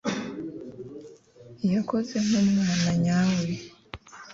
yakoze nkumwana nyawe